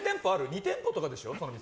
２店舗とかでしょ？